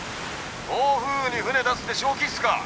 「暴風雨に船出すって正気っすか？」。